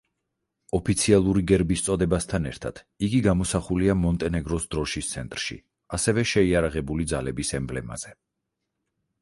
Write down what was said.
ოფიციალური გერბის წოდებასთან ერთად იგი გამოსახულია მონტენეგროს დროშის ცენტრში, ასევე შეიარაღებული ძალების ემბლემაზე.